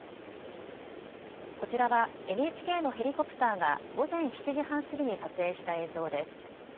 こちらはＮＨＫのヘリコプターが午前７時半過ぎに撮影した映像です。